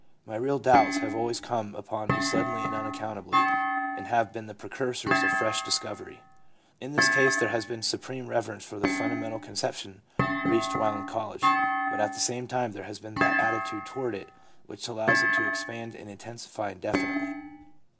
My real doubts have always come upon me suddenly and unaccountably, and have been the precursors of fresh discovery/ In this case there has been supreme reverence for the ' funda mental conception reached while in college/ but at the same time there has been that attitude toward it which allows it to expand and intensify indefinitely.